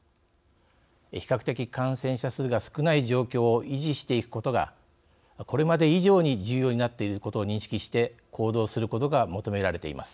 比較的、感染者数が少ない状況を維持していくことがこれまで以上に重要になっていることを認識して行動することが求められています。